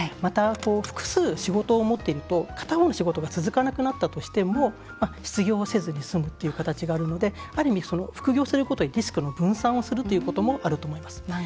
複数仕事を持っていると片方の仕事が続かなくなっても失業しなくて済むということもあり副業をすることでリスクの分散をするということもあると思います。